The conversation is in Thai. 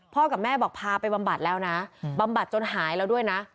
กับแม่บอกพาไปบำบัดแล้วนะบำบัดจนหายแล้วด้วยนะ